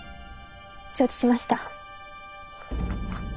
承知しました。